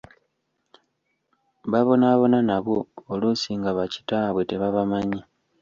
Babonaabona nabwo oluusi nga ba kitaabwe tebabamanyi.